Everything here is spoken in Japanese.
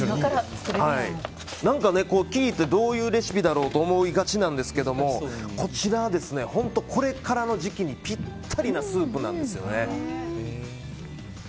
聞いてどういうレシピだろうと思いがちなんですけどこちらは本当にこれからの時期にピッタリなスープなんですよね。